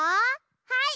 はい。